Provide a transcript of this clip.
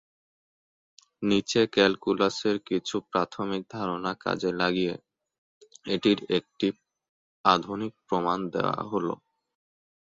নিচে ক্যালকুলাসের কিছু প্রাথমিক ধারণা কাজে লাগিয়ে এটির একটি আধুনিক প্রমাণ দেয়া হল।